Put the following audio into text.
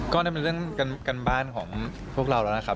ก็นั่นเป็นเรื่องการบ้านของพวกเราแล้วนะครับ